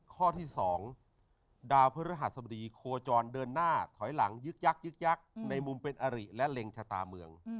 ข้อที่๒ดาวพฤหัสบดีโคจรเดินหน้าถอยหลังยึกยักยึกยักษ์ในมุมเป็นอริและเล็งชะตาเมือง